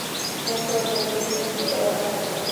একপর্যায়ে তিনি গুরুতর আহত হন।